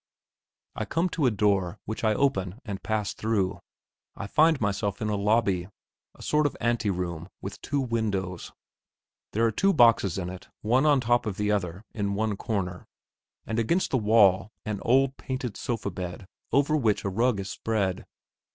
I come to a door which I open and pass through; I find myself in a lobby, a sort of anteroom, with two windows. There are two boxes in it, one on top of the other, in one corner, and against the wall an old, painted sofa bed over which a rug is spread.